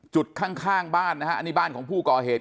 จุดข้างบ้านนะฮะอันนี้บ้านของผู้ก่อเหตุ